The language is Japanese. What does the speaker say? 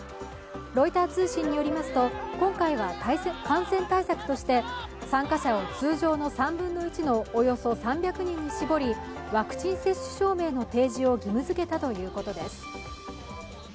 ロイター通信によりますと、今回は感染対策として参加者を通常の３分の１のおよそ３００人に絞り、ワクチン接種証明の提示を義務づけたということです。